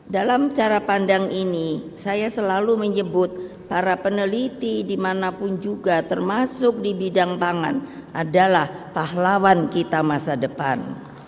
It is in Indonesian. dalam cara pandang ini saya selalu menyebut para peneliti dimanapun juga termasuk di bidang pangan adalah pahlawan kita masa depan